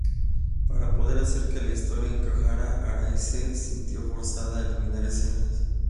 Para poder hacer que "la historia encajara", Arai se sintió forzado a eliminar escenas.